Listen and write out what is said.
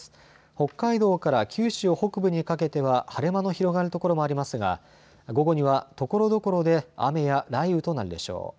北海道から九州北部にかけては晴れ間の広がる所もありますが午後にはところどころで雨や雷雨となるでしょう。